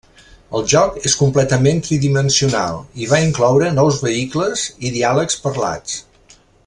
El joc és completament tridimensional, i va incloure nous vehicles i diàlegs parlats.